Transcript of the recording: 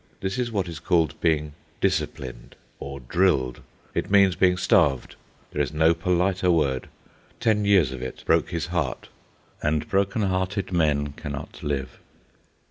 This is what is called being "disciplined," or "drilled." It means being starved. There is no politer word. Ten years of it broke his heart, and broken hearted men cannot live.